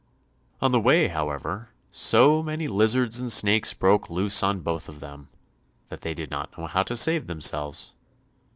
On the way, however, so many lizards and snakes broke loose on both of them, that they did not know how to save themselves.